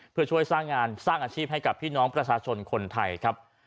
เพื่อช่วยสร้างงานสร้างอาชีพให้กับพี่น้องประชาชนคนไทยครับ